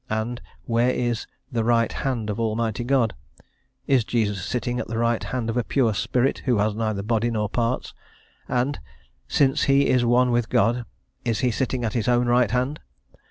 And where is "the right hand" of Almighty God? Is Jesus sitting at the right hand of a pure spirit, who has neither body nor parts? and, since He is one with God, is He sitting at his own right hand?